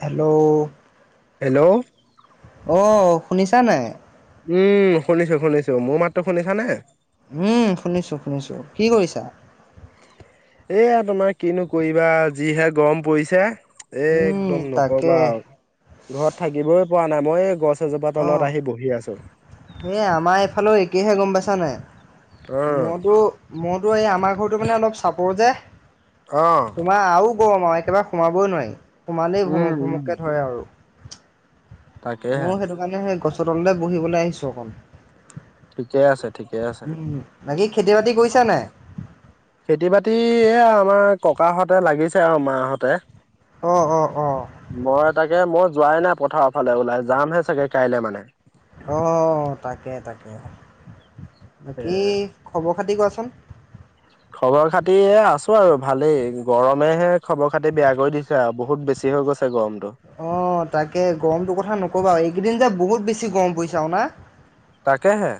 Hello. Hello. অ শুনিছা নাই। উম শুনিছো শুনিছো মোৰ মাত্ৰ শুনিছা নে। উম শুনিছো শুনিছো কি কৰিছা। এয়া তোমাৰ কিনো কৰিবা যিহে গৰম পৰিছে। এ উম, একদম তাকে নকবা আৰু, ঘৰত থাকিবই পৰা নাই মই এই গছ। এজোপা অ, তলত আহি বহি আছো সেই আমাৰ এইফালেও একেহে গম পাইছা নাই। অ মইতো মইতো এই আমাৰ ঘৰটো মানে অলপ চাপৰ যে। অ তোমাৰ আৰু গৰম আৰু একেবাৰে সোমাবই নোৱাৰি সোমালেই ঘুমুক উম ঘুমুককে ধৰে আৰু। তাক হে। ময়ো সেইটো কাৰণে গছৰ তলৈ বহিবলৈ আহিছোঁ অকণ। ঠিকে আছে ঠিকেই আছে। উম, বাকী খেতি বাতি কৰিছ নে। খেতি বাতি এ আমাৰ ককাহঁতে লাগিছে আৰু মাহতে। অঁ অঁ অ। তাগে মই যোৱাই নাই পথাৰৰ ফালে ওলাই যামহে চাগে কাইলৈ মানে। অ তাকে তাকে, বাকী এ খবৰ। ফাটি কোৱাচোন। খবৰ খাতি আছো আৰু ভালেই গৰমেহে খবৰ খাতি বেয়া কৰি দিছে আৰু বহুত বেছি। কি হৈ গৈছে গম। অ তাকে গৰমটো কথা নকবা এইকেইদিন যে বহুত বেছি গৰম পৰিছে আৰু না। তাকেহে।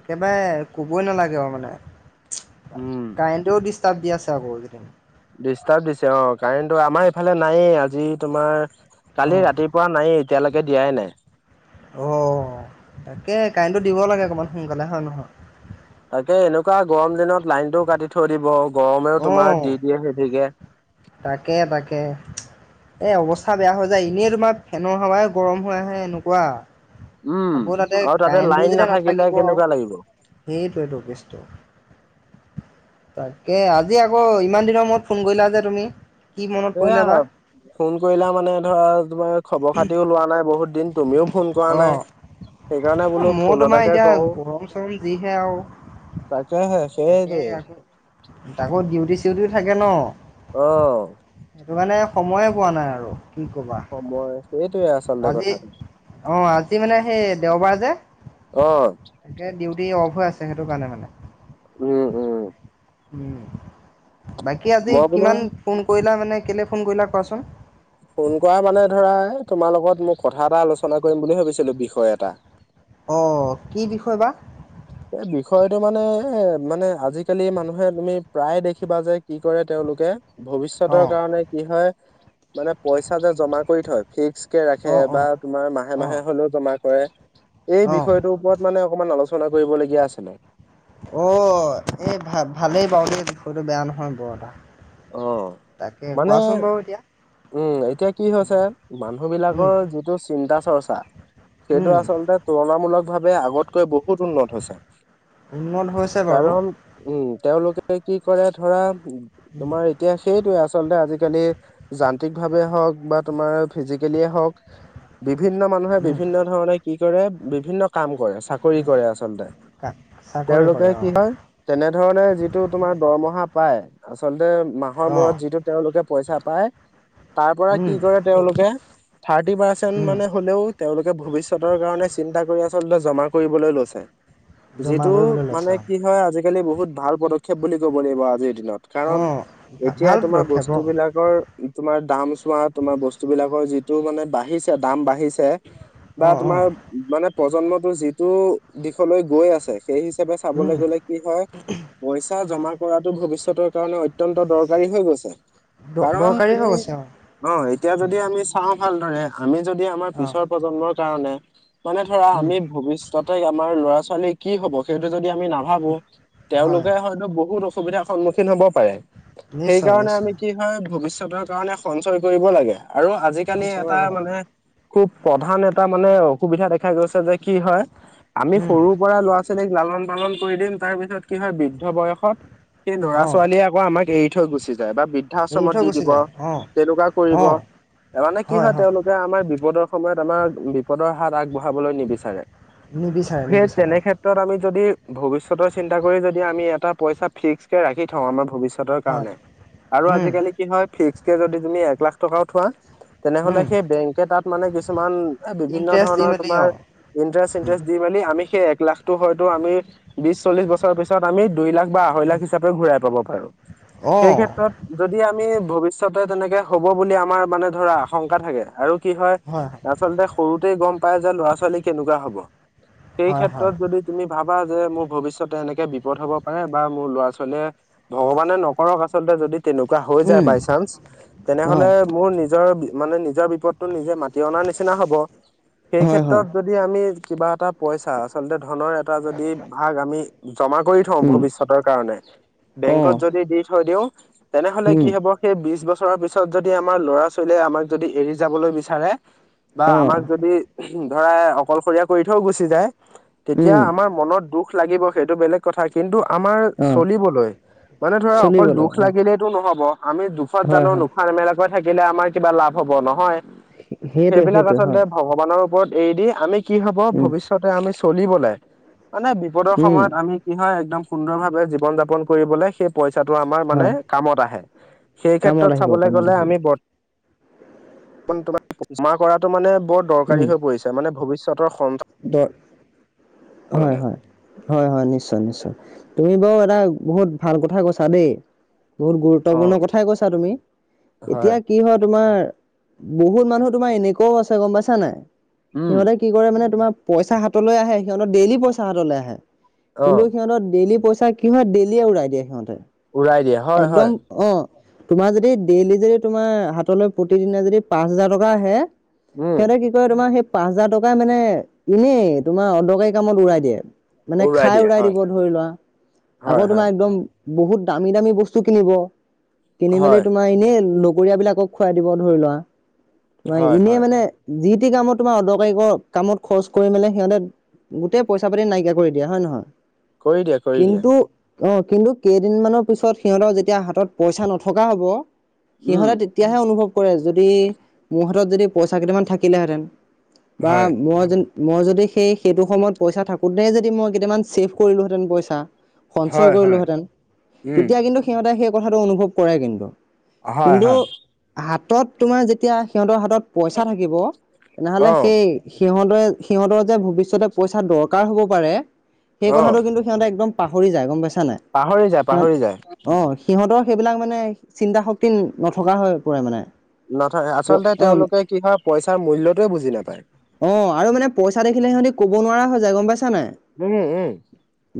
একেবাৰে কবই নালাগে আৰু মানে। উম কাৰেণ্টও ডিষ্টাৰ্ব দি আছে আকৌদিন। ডিষ্টাৰ্ব দিছে অ কাৰেণ্টটো আমাৰ ইফালে নায়েই আজি তোমাৰ। কালি অ' ৰাতিপুৱা নায় এতিয়ালৈকে দিয়াই নাই। অ, তাকে কাৰেণ্টটো দিব লাগে অকণমান সোনকালে হয় নহয়। তাকে এনেকুৱা গৰম দিনত লাইনতটোও কাটি থৈ দিব গৰমেও তোমাৰ অ' দি দিয়ে সেধিকে। তাকে তাকে। এ অৱস্থা বেয়া হৈ যায় এনেই তোমাৰ ফেনৰ সাই গৰম হৈ আহে এনেকুৱা। উম আকৌ তাতে আৰু কাৰেণ্টো লাইন যেতিয়া নাথাকিলে নাথাকিব আৰু। কেনেকুৱা লাগিব সেইটোৱ এইটো কেছটো। তাকে আজি আকৌ ইমান দিনৰ মূৰত ফোন কৰিলা যে তুমি। কি মনত এয়া, পৰিলে বা ফোন কৰিলা মানে ধৰা তোমাৰ খবৰ খাতিও লোৱা নাই। বহুত দিন তুমিও ফোন কৰা অ' নাই। সেইকাৰণে বোলো মোৰ ফোন তোমাৰ এটাকে এতিয়া কওঁ। গৰম চৰম যিহে আৰু তাকাকে হে সেয় তাকে তই। আকৌ ডিউটি চিউটিও থাকে ন। আহ। সেইটো কাৰণে সময়ে পোৱা নাই আৰু। কি ক'বা সময় সেইটোয়ে আচলতে। আজি, কথাটো অঁ আজি মানে সেই দেওবাৰ যে অ তাকে ডিউটি। হৈ আছে সেইটো কাৰণে মানে। উম উম। উম, বাকী আজি মই বোলো কিমান ফোন কৰিলা মানে কেলে ফোন কৰিলা কোৱাচোন? ফোন কৰা মানে ধৰা এ তোমাৰ লগত মই কথা এটা আলোচনা কৰিম বুলি ভাবিছিলো বিষয় এটা অহ, কি বিষয় বা [inaudible] এই বিষয়টো মানে এ মানে আজিকালি মানুহে তুমি প্ৰায়ে দেখিবা যে কি কৰে তেওঁলোকে অ ভৱিষ্যতৰ কাৰণে কি হয় মানে পইচা যে জমা কৰি থয় ফিক্স ৰাখে অ অ বা তোমাৰ মাহে- অ মাহে হলেও জমা কৰে এই অ বিষয়টোৰ ওপৰত মানে অকমান অলপ আলোচনা চনা কৰিবলগীয়া আছেনে অহ, এই ভা -ভালেই বাৰু দেই বিষয়টো বেয়া নহয় বৰ এটা। অহ, তাকে মানে কোৱাচোন বাৰু এতিয়া উম, এতিয়া কি হৈছে মানুহ উম বিলাকৰ যিটো চিন্তা চৰ্চা সেইটো উম আচলতে তুলনামূলক ভাৱে আগতকৈ বহুত উন্নত হৈছে। উন্নত হৈছে বাৰু কাৰণ উম তেওঁলোকে কি কৰে ধৰা উম, তোমাৰ এতিয়া সেইটোয়ে আছে আচলতে আজিকালি যান্ত্ৰিক ভাবে হওক বা তোমাৰ ফিজিকেলী এ হওক বিভিন্ন মানুহে উম, বিভিন্ন ধৰণে কি কৰে বিভিন্ন কাম কৰে চাকৰি উম, কৰে আচলতে কা চাকৰি তেওঁলোকে কৰে কি অ', হয় তেনেধৰণে যিটো তোমাৰ দৰমহা পায় আচলতে মাহৰ অ', মূৰত যিটো তেওঁলোকে পইচা পায় তাৰ পৰা কি উম, কৰে তেওঁলোকে থাৰ্টি পাৰ্চেন্ট উম, মানে হ'লেও। তেওঁলোকে ভৱিষ্যতৰ কাৰণে চিন্তা কৰি আচলতে জমা কৰিবলৈ লৈছে জমা যিটো কৰিবলৈ লৈছে মানে অ', কি হয় আজিকালি বহুত ভাল পদক্ষেপ বুলি ক'ব লাগিব আজিৰ দিনত। কাৰণ অ', ভা এতিয়া ভাল তোমাৰ পদক্ষেপ বস্তু অ', বিলাকৰ তোমাৰ দাম চোৱা তোমাৰ বস্তু বিলাকৰ যিটো মানে বাঢ়িছে দাম বাঢ়িছে বা অ', তোমাৰ অ', মানে প্ৰজন্মটোৰ যিটো দিশলৈ গৈ আছে সেই হিচাপে চাবলৈ উম, গ'লে কি হয় পইচা জমা কৰাটো ভৱিষ্যতৰ কাৰণে অত্যন্ত দৰকাৰী হৈ গৈছে কাৰণ দ-দৰকাৰী হৈ তুমি গৈছে অ', অহ এতিয়া উম, যদি আমি চাওঁ ভালদৰে আমি যদি আমাৰ অ', পিছৰ প্ৰজন্মৰ কাৰণে মানে ধৰা উম, আমি ভৱিষ্য ততে আমাৰ ল'ৰা ছোৱালী কি হব সেইটো যদি আমি নাভাবো উম, হয়, তেওঁলোকে হয়তো বহুত অসুবিধাৰ সন্মুখীন হ'ব পাৰে নিশ্চয়, সেইকাৰণে আমি নিশ্চয়, কি হয় ভৱিষ্যত কাৰণে সঞ্চয় কৰিব লাগে আৰু আজিকালি সঞ্চয় এটা কৰিব লাগে, মানে খুব প্ৰধান এটা মানে অসুবিধা দেখা গৈছে যে কি হয় আমি উম, সৰুৰ পৰা লোৱা ছোৱালীক লালন- পালন কৰি দিম তাৰ পিছত কি হয় বৃদ্ধ বয়সত সেই ল'ৰা- চোৱা অ', ছোৱালীয়ে আকৌ আমাক এৰি থৈ গুচি যায় বা এৰি বৃদ্ধাশ্ৰমত থৈ দি গুচি দিব যায় অ', তেনেকুৱা কৰিব অ', মানে কি হয় তেওঁলোকে আমাৰ বিপদৰ সময়ত আমাৰ বিপদৰ হাত আগবঢ়া চাবলৈ নিবিচাৰে নিবিচাৰে, সেই নিবিচাৰে অ', তেনেক্ষেত্ৰত আমি যদি ভৱিষ্যতৰ চিন্তা কৰি যদি আমি এটা পইচা ফিক্স কে ৰাখি থওঁ আমাৰ ভৱিষ্যত হয়, [unintelligible] আৰু উম, আজিকালি কি হয় ফিক্স কে যদি তুমি এক লাখ টকাও থোৱা তেনেহলে উম, সেই বেংকে তাত মানে কিছুমান এ বিভিন্ন ইণ্টাৰেষ্ট দি ধৰণৰ মেলি তোমাৰ অ', ইন্টাৰেষ্ট- উম, চিন্টাৰেষ্ট দি মেলি আমি সেই এক লাখটো হয়তো আমি বিছ চল্লিশ বছৰৰ পিছত আমি দুই লাখ বা আঢ়ৈ লাখ উম, হিচাপে ঘূৰাই পাব পাৰো। অ', সেইক্ষেত্ৰত যদি আমি ভৱিষ্যতে তেনেকে হ'ব বুলি আমাৰ মানে ধৰা আশংকা থাকে আৰু কি হয় আচলতে সৰুতেই গম পাই যে ল'ৰা- ছোৱালী কেনেকুৱা হ'ব সেই হয়, ক্ষেত্ৰত হয়, যদি তুমি ভাবা [unintelligible] যে মোৰ ভৱিষ্যতে এনেকে বিপদ হব পাৰে বা মোৰ ল'ৰা- ছোৱালীয়ে ভগৱানে নকৰক আচলতে যদি তেনেকুৱা হৈ যায় উম, বাই চান্স তেনেহলে হয়, মোৰ নিজৰ মানে নিজৰ বিপদটো নিজে মাতি অনাৰ নিচিনা হব সেই হয়, হয়, ক্ষেত্ৰত যদি আমি কিবা এটা পইচা আচলতে ধনৰ এটা যদি ভাগ আমি জমা কৰি থওঁ উম। ভৱিষ্যতৰ কাৰণে বেংকত অ', যদি দি থৈ দিও তেনেহলে কি উম, হব সেই বিশ বছৰ ল পিছত যদি আমাৰ ল'ৰা ছোৱালীয়ে আমাক যদি এৰি যাবলৈ বিচাৰে বা আমাক অ', যদি ধৰা অকলশৰীয়া কৰি থৈও গুচি যায় তেতিয়া উম, আমাৰ মনত দুখ দুখ লাগিব সেইটো বেলেগ কথা কিন্তু আমাৰ অ', চলিবলৈ মানে ধৰা অকল চলিবলৈ দুখ অ', লাগিলেইটো ন হব আমি দুখত হয়, জানো হয়, নোখাৱা নেমেলাকৈ থাকিলে আমাৰ কিবা লাভ হব নহয়। সেইটোৱে, সেইবিলাক সেইটোৱে আচলতে হয়, ভগৱানৰ ওপৰত এৰি দি আমি কি হব উম, ভৱিষ্যতে আমি চলিবলে মানে বিপদৰ উম, সময়ত আমি কি হয় একদম সুন্দৰভাৱে জীৱন যাপন কৰিবলে সেই পইচাটো আমাৰ মানে হয়, কামত আহে সেই কামত কেত্ৰত আহিব, চাবলৈ কামত গলে আহিব, আমি ব জমা কৰাটো মানে বৰ দৰকাৰী হৈ পৰিছে মানে ভৱিষ্যতৰ সন্তান দ হয় মানে হয় হয় হয় নিশ্চয় নিশ্চয় তুমি বাও এটা বহুত ভাল কথা কৈছা দেই বহুত অ গুৰুত্বপূৰ্ণ কথাই কৈছা তুমি এতিয়া কি হয় তোমাৰ বহুত মানুহ তোমাৰ এনেকোৱাও আছে গম পাইছা নাই উম সিহঁতে কি কৰে মানে তোমাৰ পইচা হাতলৈ আহে সিহঁতৰ ডেইলি পইচা হাতলৈ আহে অ কিন্তু সিহঁতৰ ডেইলি পইচা তে কি হয় ডেইলি উৰাই দিয়ে সিহঁতে উৰাই দিয়ে হয় একদম হয় অ', তোমাৰ যদি ডেইলি যদি তোমাৰ হাতলৈ প্ৰতিদিনে যদি পাঁচ হাজাৰ টকা আহে উম সিহঁতে কি কয় তোমাৰ সেই পাঁচ হাজাৰ টকাই মানে এনেই তোমাৰ অদৰকাৰী কামত উৰাই দিয়ে মানে খাই দিয়ে উৰাই হয় দিব ধৰি লোৱা আকৌ হয় তোমাৰ হয় একদম বহুত দামী -দামী বস্তু কিনিব কিনি মেলি হয় তোমাৰ এনেই লগৰীয়াবিলাকক খোৱাই দিব ধৰি লোৱা তোমাৰ হয় এনে হয় মানে যি তি কামত তোমাৰ অদৰকাৰী কামত খৰচ কৰি মেলে সিহঁতে গোটেই পইচা পাতি নাইকিয়া কৰি দিয়ে হয় নে নহয় কৰি দিয়ে কৰি দিয়ে কিন্তু অ কিন্তু কেইদিনমানৰ পিছত সিহঁতৰ যেতিয়া হাতত পইচা নথকা হব উম সিহঁতে তেতিয়াহে অনুভৱ কৰে যদি মোৰ হাতত যদি পইচা কেইটামান থাকিলেহেতেন বা হয় মই যেন মই যদি সেই সেইটো সময়ত পইচা থাকোতে যদি মই কেইটামান ছেভ কৰিলোহেঁতেন পইচা সঞ্চয় হয় হয় কৰিলোহেঁতেন উম তেতিয়া কিন্তু- সিহঁতে কথাটো অনুভৱ কৰে হয় কিন্তু-কিন্তু হয় হাত হাতত তোমাৰ যেতিয়া সিহঁতৰ হাতত পইচা থাকিব তেনেহলে অ সেই সিহঁতে সিহঁতৰ যে ভৱিষ্যতে পইচা দৰকাৰ হ'ব পাৰে সেই অ কথাটো কিন্তু সিহঁতে একদম পাহৰি যায় গম পাইছা নাই পাহৰি যায় সিহঁত পাহৰি যায় অ', সিহঁতৰ সেইবিলাক মানে চিন্তা শক্তি নথকা হৈ পৰে মানে নথয় আচলতে অ', তেওঁলোকে কি হয় পইচাৰ মূল্যটোৱেই বুজি নাপায় অ আৰু মানে পইচা দেখিলে সিহঁতি কব নোৱাৰা হৈ যায় গম পাইছা নাই উম, উম,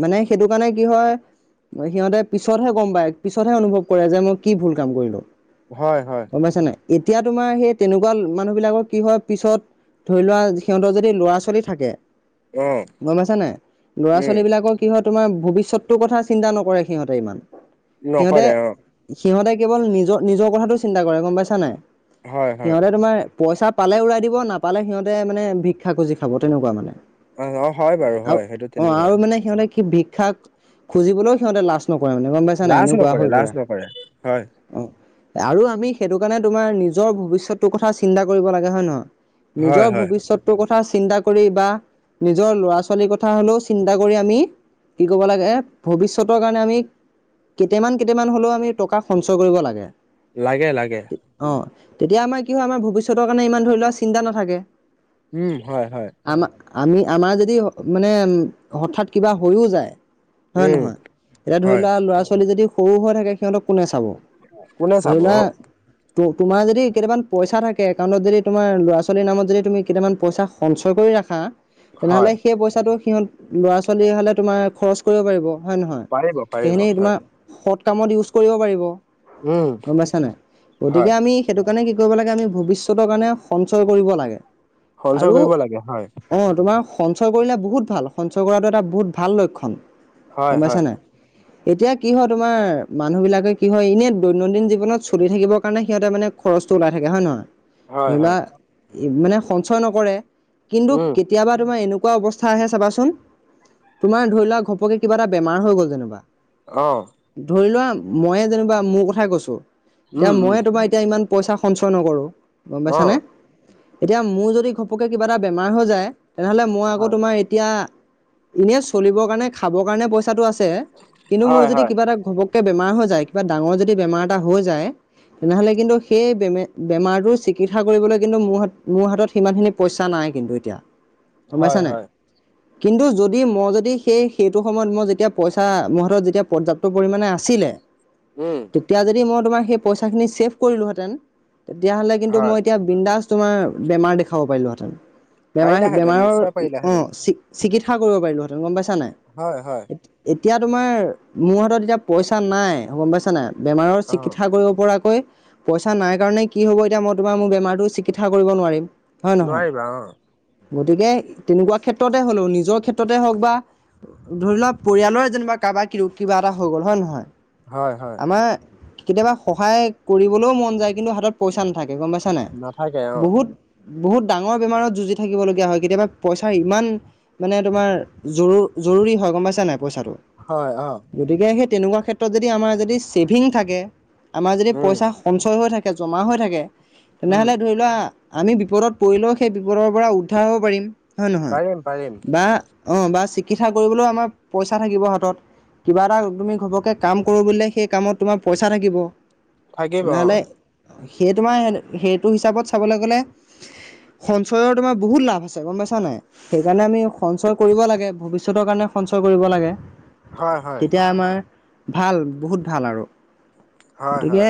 মানে সেইটো কাৰণে কি হয় সিহঁতে পিছতহে গম পায় পিছতহে অনুভৱ কৰে যে মই কি ভুল কাম কৰিলো হয়, হয়। গম পাইছা নাই এতিয়া তোমাৰ সেই তেনেকোৱা মানুহবিলাকৰ কি হয় পিছত ধৰি লোৱা সিহঁতৰ যদি ল'ৰা-ছোৱালী থাকে অ', গম পাইছা নাই উম, ল'ৰা-ছোৱালীবিলাকৰ কি হয় তোমাৰ ভৱিষ্যতটোৰ কথা চিন্তা নকৰে সিহঁতে ইমান সিহঁতে নকৰে অঁ সিহঁতে কেৱল নিজৰ-নিজৰ কথাটো চিন্তা কৰে গম পাইছা নাই হয়, হয়, সিহতে তোমাৰ পইচা পালে ওৰাই দিব নাপালে সিহঁতে মানে ভিক্ষা খুজি খাব তেনেকোৱা মানে অ', অ', হয় বাৰু আৰু হয় সেইটো অ তেনেকুৱা। আৰু মানে সিহঁতে কি ভিক্ষা খুজিবলৈও সিহঁতে লাজ নক ৰে মানে গম পাইছা নাই লাজ এনেকোৱা নকৰে, হৈ লাজ পৰে নকৰে, হয়, অ আৰু আমি সেইটো কাৰণে তোমাৰ নিজৰ ভৱিষ্যতটোৰ কথা চিন্তা কৰিব লাগে হয় নে নহয় হয়, নিজৰ হয়, ভৱিষ্যতটোৰ কথা চিন্তা কৰি বা নিজৰ ল'ৰা-ছোৱালীৰ কথা হ'লেও চিন্তা কৰি আমি কি ক'ব লাগে ভৱিষ্যতৰ কাৰণে আমি কেইটামান-কেইটামান হ'লেও আমি টকা সঞ্চয় কৰিব লাগে। লাগে লাগে। অ তেতিয়া আমাৰ কি হয় আমাৰ ভৱিষ্যতৰ কাৰণে ইমান ধৰি লোৱা চিন্তা নাথাকে। উম হয় হয়। আমা আমি আমাৰ যদি মানে হঠাৎ কিবা হৈও যায়। হয় উম, নহয় এতিয়া ধৰি হয়, লোৱা ল'ৰা- ছোৱালী যদি সৰু হৈ থাকে সিহঁতক কোনে চা- চাব কোনে ধৰি চাব লোৱা অ', তোমাৰ যদি কেইটামান পইচা থাকে একাউণ্টত যদি তোমাৰ ল'ৰা-ছোৱালীৰ নামত যদি তুমি কেইটামান পইচা সঞ্চয় কৰি ৰাখা হয়, তেনেহ'লে সেই পইচাটো সিহঁত ল'ৰা-ছোৱালী হালে তোমাৰ খৰছ কৰিব পাৰিব হয় নহয়। পাৰিব, পাৰিব, এনে হয়, তোমাৰ সৎ সৎ কামত ইউজ কৰিব পাৰিব উম। গম পাইছা নাই গতিকে হয়, আমি সেইতো কাৰণে কি কৰিব লাগে আমি ভৱিষ্যতৰ কাৰণে সঞ্চয় কৰিব লাগে। সঞ্চয় আৰু কৰিব লাগে হয়, অ তোমাৰ সঞ্চয় কৰিলে বহুত ভাল সঞ্চয় কৰাটো এটা বহুত ভাল লক্ষণ হয় গম পাইছা হয় নাই এতিয়া কি হয় তোমাৰ মানুহ বিলাকে কি হয় এনে দৈনন্দিন জীৱনত চলি থাকিবৰ কাৰণে সিহঁতে মানে খৰচটো ওলাই থাকে হয় নহয় হয়, ধৰি লোৱা হয়, মানে সঞ্চয় নকৰে কিন্তু উম, কেতিয়াবা তোমাৰ এনেকো কোৱা অৱস্থা আহে চাবাচোন তোমাৰ ধৰি লোৱা ঘপকে কিবা এটা বেমাৰ হৈ গ'ল যেনিবা অ', ধৰি লোৱা মইয়ে যেনিবা মোৰ কথাই কৈছোঁ এতিয়া উম, উম, মইে তোমাৰ এতিয়া ইমান পইচা সঞ্চয় নকৰোঁ গম পাইছানে। অ', এতিয়া মোৰ যদি ঘপকে কিবা এটা বেমাৰ হৈ যায় তেনেহ'লে মই আকৌ হয়, তোমাৰ এতিয়া এনেই চলিবৰ কাৰণে খাবৰ কাৰণে পইচাটো আছে কিন্তু মোৰ হয়, যদি হয়, কিবা এটা ঘপক- কে বেমাৰ হৈ যায় কিবা ডাঙৰ যদি বেমাৰ এটা হৈ যায়। তেনেহলে কিন্তু সেই বেমে বেমাৰটোৰ চিকি- কিৎসা কৰিবলৈ কিন্তু মোৰ মোৰ হাতত সিমানখিনি পইচা নাই কিন্তু এতিয়া। গম হয়, পাইছা নাই। হয়, কিন্তু যদি মই যদি সেই সেইটো সময়ত মই যেতিয়া পইচা মোৰ হাতত যেতিয়া পৰ্যাপ্ত পৰিমাণে আছিলে, উম, তেতিয়া যদি মই তোমাৰ সেই পইচাখিনি ছেভ কৰিলো হেতেন, তেতিয়া কিন্তু হয়। মই এতিয়া বিন্দাস তোমাৰ বেমাৰ দেখাব পাৰিলোঁ হেতেন বেমাৰ পাৰিলাহেঁতেন বেমাৰৰ নিশ্চয় অ পাৰিলাহেঁতেন চিকিৎস- সা কৰিব পাৰিলোঁ হেতেন গম পাইছা নাই। হয় হয় এতিয়া তোমাৰ মোৰ হাতত এতিয়া পইচা নাই গম পাইছা নাই গম পাইছা নাই বেমাৰৰ অ চিকিৎসা কৰিব পৰাকৈ পইচা নাই কাৰণে কি হব এতিয়া মই তোমাৰ মোৰ বেমাৰতো চিকিৎসা কৰিব নোৱাৰিম। হয় নহয় নোৱাৰিবা অ। গতিকে তেনেকুৱা ক্ষেত্ৰতে হ'লেও নিজৰ ক্ষেত্ৰতে হওঁক বা ধৰি লোৱা পৰিয়ালৰে যেনিবা কাবা কি কিবা এটা হৈ গ'ল হয় নহয় হয় হয় আমাৰ কেতিয়াবা সহায় কৰিবলৈও মন যায় কিন্তু হাতত পইচা নাথাকে গম পাইছা নাই নাথাকে অ বহুত বহুত ডাঙৰ বেমাৰত যুঁজি থাকিবলগীয়া হয় কেতিয়াবা পইচাৰ ইমান মানে তোমাৰ জৰুৰ জৰুৰী হয় গম পাইছা নাই পইচাটো হয় অ গতিকে সেই তেনেকুৱা ক্ষেত্ৰত যদি আমাৰ যদি ছেভিং থাকে আমাৰ যদি উম পইচা সঞ্চয় হৈ থাকে জমা হৈ থাকে উম তেনেহলে ধৰি লোৱা আমি বিপদত পৰিলো সেই বিপদৰ পৰা উদ্ধাৰ হব পাৰিম। হয় নহয় পাৰিম পাৰিম বা অ বা চিকিৎসা কৰিবলৈও আমাৰ পইচা থাকিব হাতত কিবা এটা তুমি ঘপকে কাম কৰো বুলিলে সেই কামত তোমাৰ পইচা থাকিব থাকিব অ। তেনেহ'লে সেই তোমাৰ সেইটো হিচাপত চাবলৈ গ'লে সঞ্চয়ৰ তোমাৰ বহুত লাভ আছে গম পাইছা নাই সেইকাৰণে আমি সঞ্চয় কৰিব লাগে ভৱিষ্যতৰ কাৰণে স- সঞ্চয় কৰিব লাগে হয় হয় তেতিয়া আমাৰ ভাল বহুত ভাল আৰু হয় গতিকে হয়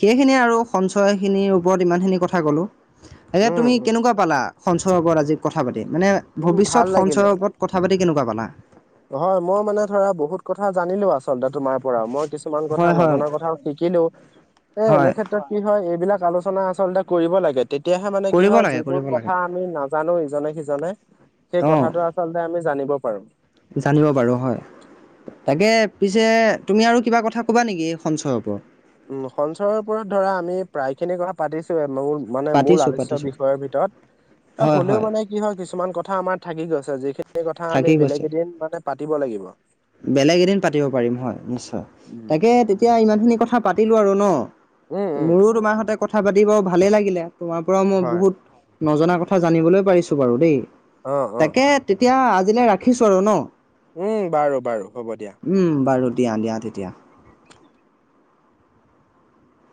সেইখিনিয়ে আৰু সঞ্চয় খিনিৰ ওপৰত ইমানখিনি কথা কলোঁ এতিয়া উম তুমি উম কেনেকুৱা পালা সঞ্চয় ওপৰত আজি কথা পাতি মানে উম ভৱিষ্যত ভাল লাগিলে সঞ্চয়ৰ ওপৰত কথা পাতি কেনেকুৱা পালা হয় মই মানে ধৰা বহুত কথা জানিলোঁ আছ [unintelligible] শব্দ তোমাৰ পৰা মই কিছুমান কথা হয় হয় নজনা কথাও শিকিলো এ এনে হয় ক্ষেত্ৰত কি হয় এইবিলাক আলোচনা আচলতে কৰিব লাগে তেতিয়াহে মানে কি কৰিব হয় লাগে যিবোৰ কৰিব লাগে কথা আমি নাজানো ইজনে সিজ নে সেই অঁ কথাটো আচলতে আমি জানিব পাৰো জানিব পাৰো হয় তাকে পিছে তুমি আৰু কিবা কথা ক'বা নেকি সঞ্চয়ৰ ওপৰত উম সঞ্চৰৰ ওপৰত ধৰা আমি প্ৰায় খিনি কথা পাতিছোয়ে মোৰ মানে মূল পাতিছোঁ আলচ্য পাতিছোঁ বিষয়ৰ ভিতৰত অ হয় হ'লেও হয় মানে কি হয় কিছুমান কথা আমাৰ থাকি গৈছে যিখিনি কথা থাকি আমি গৈছে বেলেগ এদিন মানে পাতিব লাগিব বেলেগ এদিন পাতিব পাৰিম হয় নিশ্চয় উম তাকে তেতিয়া ইমানখিনি কথা পাতিলোঁ আৰু ন উম উম, মোৰো তোমাৰ হতে কথা পাতি বাৰু ভালেই লাগিলে তোমাৰ পৰাও মই হয় বহুত নজনা কথা জানিবলৈ পাৰিছো বাৰু দেই অ অ তাকে তেতিয়া আজিলৈ ৰাখিছো আৰু ন। উম বাৰু বাৰু হ'ব দিয়া। উম বাৰু দিয়া দিয়া তেতিয়া।